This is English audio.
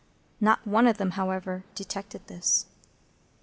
Not one of them, however, detected this.